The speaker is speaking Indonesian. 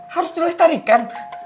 harus terus tarikan